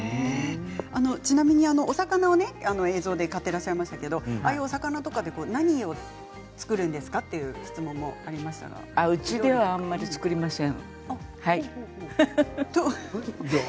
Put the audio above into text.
ちなみにお魚を映像で買っていらっしゃいましたがお魚とかで何を作るんですか？という質問もうちではあまり作りません。